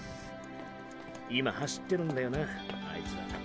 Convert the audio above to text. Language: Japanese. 今走ってるんだよなあいつら。